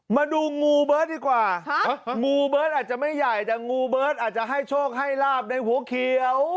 มาดูงูเบิร์ตดีกว่างูเบิร์ตอาจจะไม่ใหญ่แต่งูเบิร์ตอาจจะให้โชคให้ลาบในหัวเขียว